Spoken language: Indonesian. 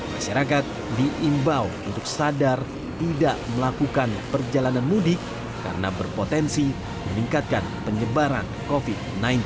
masyarakat diimbau untuk sadar tidak melakukan perjalanan mudik karena berpotensi meningkatkan penyebaran covid sembilan belas